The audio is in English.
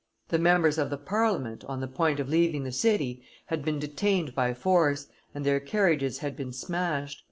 The members of the Parliament, on the point of leaving the city, had been detained by force, and their carriages had been smashed.